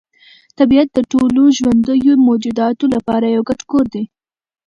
طبیعت د ټولو ژوندیو موجوداتو لپاره یو ګډ کور دی.